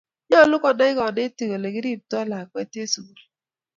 nyoluu konai konetin weli kiriptoo lakwa en sukul